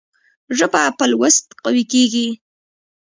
ژبه په لوست قوي کېږي.